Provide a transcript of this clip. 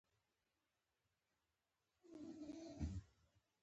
هغه غواړي اړوند لوحه پیدا کړي.